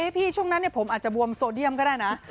ช่วงนั้นผมอาจจะบวมโซเดียมก็ได้นะ